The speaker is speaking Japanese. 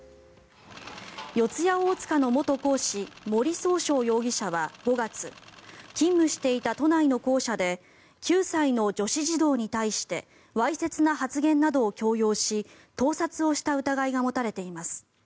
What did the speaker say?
四谷大塚の元講師森崇翔容疑者は５月勤務していた都内の校舎で９歳の女子児童に対してわいせつな発言などを強要し盗撮をした疑いが持たれています。